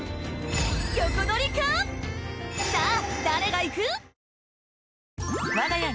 さあ